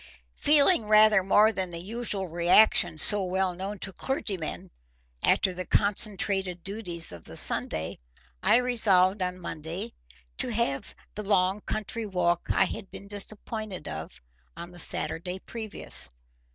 Feeling rather more than the usual reaction so well known to clergymen after the concentrated duties of the Sunday, I resolved on Monday to have the long country walk I had been disappointed of on the Saturday previous.